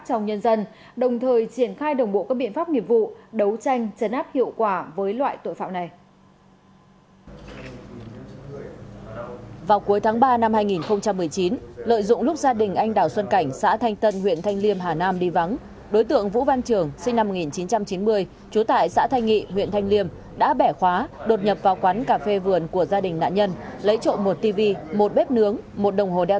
công an tỉnh hà nam đã đẩy mạnh công tác trong nhân dân đồng thời triển khai đồng bộ các biện pháp nghiệp vụ đấu tranh chấn áp hiệu quả với loại tội phạm này